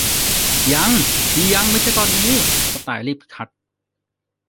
ยัง ยังไม่ใช่ตอนนี้ เจ้ากระต่ายรีบขัด